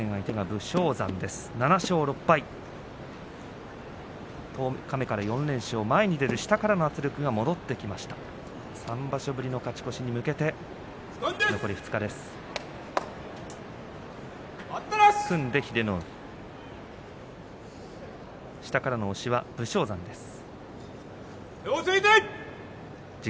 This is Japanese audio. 武将山も３場所ぶりの勝ち越しに向けて残り２日です。